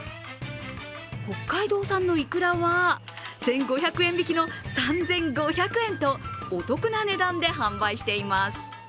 北海道産のいくらは、１５００円引きの３５００円とお得な値段で販売しています。